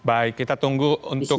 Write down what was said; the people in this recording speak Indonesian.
baik kita tunggu untuk